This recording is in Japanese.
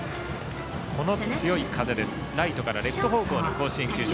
強い風、ライトからレフト方向の甲子園球場。